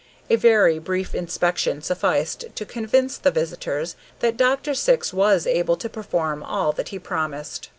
A very brief inspection sufficed to convince the visitors that Dr. Syx was able to perform all that he promised.